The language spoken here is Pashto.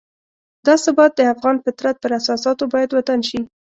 دا ثبات د افغان فطرت پر اساساتو باید ودان شي.